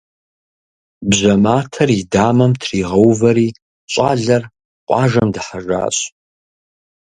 Бжьэ матэр и дамэм тригъэувэри, щӏалэр къуажэм дыхьэжащ.